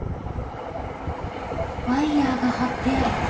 ワイヤーが張ってある。